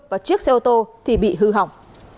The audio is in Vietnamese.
và chiếc xe ô tô thì bị hư hỏng